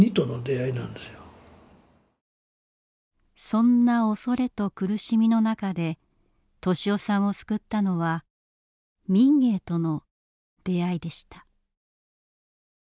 そんな恐れと苦しみの中で利雄さんを救ったのは「民藝」との出会いでした。